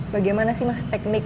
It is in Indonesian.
bagaimana sih mas teknik